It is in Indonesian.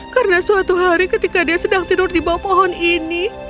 karena suatu hari ketika dia sedang tidur di bawah pohon ini